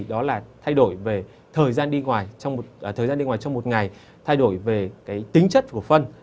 đó là thay đổi về thời gian đi ngoài trong một ngày thay đổi về tính chất của phân